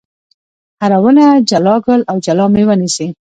هره ونه جلا ګل او جلا مېوه نیسي.